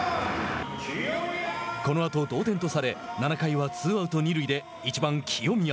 このあと同点とされ７回はツーアウト、二塁で１番清宮。